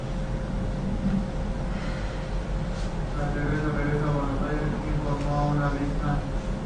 Tras regresar a Buenos Aires, Schifrin formó una "big band".